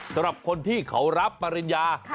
สำหรับคนที่เขารับปริญญา